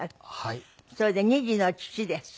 それで二児の父です。